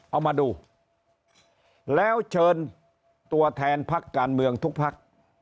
เอามาดูแล้วเชิญตัวแทนพักการเมืองทุกพัก